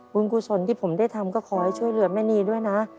กุศลที่ผมได้ทำก็ขอให้ช่วยเหลือแม่นีด้วยนะ